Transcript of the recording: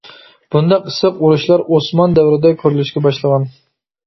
بۇنداق ئىسسىق ئۇرۇشلار ئوسمان دەۋرىدە كۆرۈلۈشكە باشلىغان.